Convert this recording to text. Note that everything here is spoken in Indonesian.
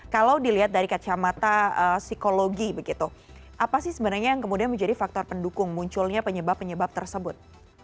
kalau dilihat dari kacamata psikologi begitu apa sih sebenarnya yang kemudian menjadi faktor pendukung munculnya penyebab penyebab tersebut